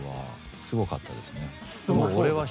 すごかったですね。